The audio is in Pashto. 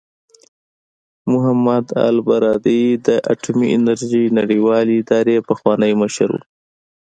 محمد البرادعي د اټومي انرژۍ نړیوالې ادارې پخوانی مشر و.